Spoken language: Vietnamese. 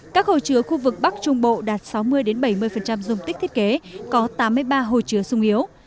các hồ chứa khu vực bắc trung bộ đạt sáu mươi bảy mươi dung tích thiết kế có tám mươi ba hồ chứa sung yếu